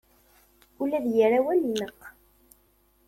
Ula d yir awal ineqq.